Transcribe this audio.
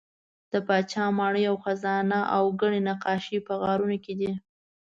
د پاچا ماڼۍ او خزانه او ګڼې نقاشۍ په غارونو کې دي.